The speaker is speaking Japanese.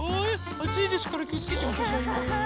あついですからきをつけてくださいね。